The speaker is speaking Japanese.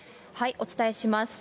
お伝えします。